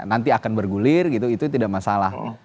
nanti akan bergulir gitu itu tidak masalah